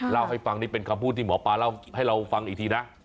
เล่าให้ฟังนี่เป็นคำพูดที่หมอปลาเล่าให้เราฟังอีกทีนะ